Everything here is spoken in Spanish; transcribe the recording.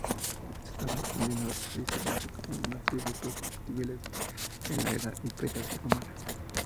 Este tambor continuó caracterizándose como un atributo de Cibeles en la era imperial romana.